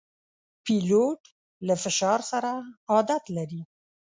پیلوټ له فشار سره عادت لري.